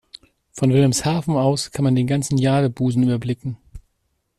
Von Wilhelmshaven aus kann man den ganzen Jadebusen überblicken.